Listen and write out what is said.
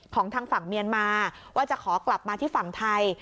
ทางฝั่งเมียนมาว่าจะขอกลับมาที่ฝั่งไทย